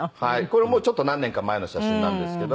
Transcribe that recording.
これもうちょっと何年か前の写真なんですけども。